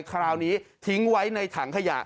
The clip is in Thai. คราวนี้ทิ้งไว้ในถังขยะ